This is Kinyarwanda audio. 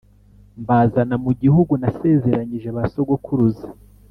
Mbazana mu gihugu nasezeranyije ba sogokuruza